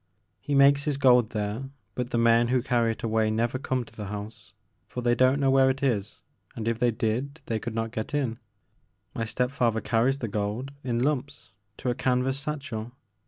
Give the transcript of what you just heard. He makes his gold there but the men who carry it away never come to the house, for they don't know where it is and if they did they could not get in. My step father carries the gold in lumps to a canvas satchel.